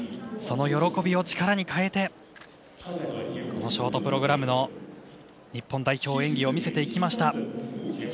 その喜びを力に変えてショートプログラムの日本代表演技を見せていきました。